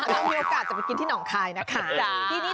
เรามีโอกาสจะไปกินที่หนองคายนะคะ